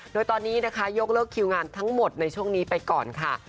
โดยตอนนี้นะคะยกเลิกคิวงานทั้งหมดในช่วงนี้ไปก่อนค่ะ